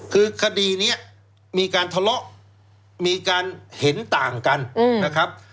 คือคดีนี้มีการทะเลาะมีการเห็นต่างกันนะครับ